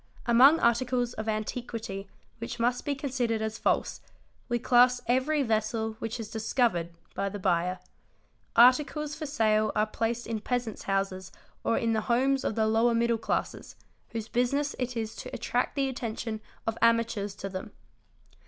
Among articles of antiquity which must be considered as false, we class every vessel which is " discovered'"' by the buyer: articles for sale are placed in peasants' houses or in the homes of the lower middle classes, whose business it is to attract the attention of amateurs to them.